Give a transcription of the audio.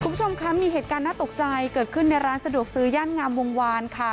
คุณผู้ชมคะมีเหตุการณ์น่าตกใจเกิดขึ้นในร้านสะดวกซื้อย่านงามวงวานค่ะ